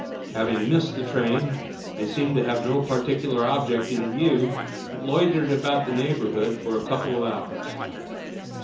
Having missed the train, they seemed to have no particular object in view, but loitered about the neighborhood for a couple of hours.